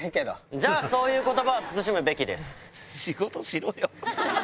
じゃあそういうことばは慎むべきです。